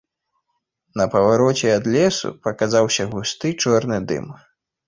На павароце ад лесу паказаўся густы чорны дым.